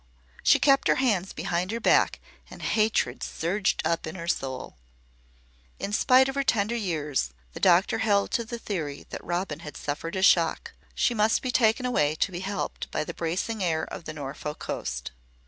She kept her hands behind her back and hatred surged up in her soul. In spite of her tender years, the doctor held to the theory that Robin had suffered a shock; she must be taken away to be helped by the bracing air of the Norfolk coast.